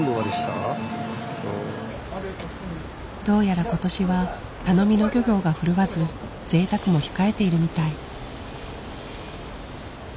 どうやら今年は頼みの漁業が振るわずぜいたくも控えているみたい。